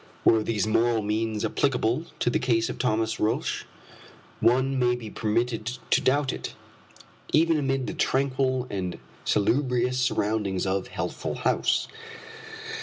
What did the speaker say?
Were these moral means applicable to the case of Thomas Roch? One may be permitted to doubt it, even amid the tranquil and salubrious surroundings of Healthful House.